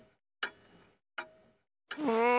うん。